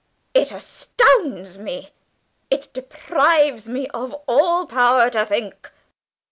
It astounds me. It deprives me of all power to think!"